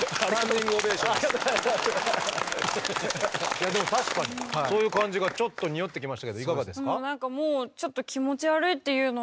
いやでも確かにそういう感じがちょっとにおってきましたけどいかがですか？